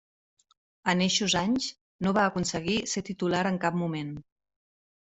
En eixos anys, no va aconseguir ser titular en cap moment.